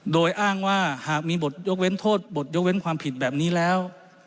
โดยอ้างว่าหากมีบทยกเว้นโทษบทยกเว้นความผิดแบบนี้แล้ว